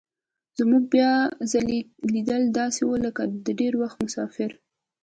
زموږ بیا ځلي لیدل داسې وو لکه د ډېر وخت مسافر.